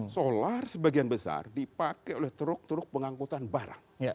solar sebagian besar dipakai oleh truk truk pengangkutan barang